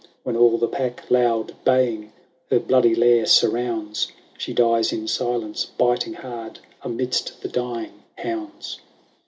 ^ When all the pack, loud baying, ^^ Her bloody lair surrounds. She dies in silence, biting hard, Amidst the dying hounds.